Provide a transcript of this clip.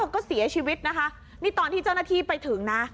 ก็เสียชีวิตนะคะนี่ตอนที่เจ้าหน้าที่ไปถึงนะ